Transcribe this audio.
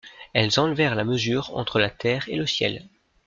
Elles enlevèrent la mesure entre la terre et le ciel.